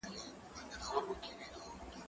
ايا ته موبایل کاروې